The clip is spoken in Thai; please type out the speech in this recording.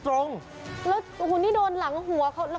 แล้วโอ้โหนี่โดนหลังหัวเขา